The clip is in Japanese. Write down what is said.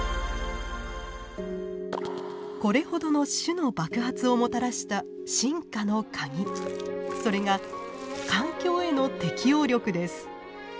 これほどの種の爆発をもたらした進化のカギそれが環境への適応力です。